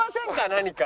何か。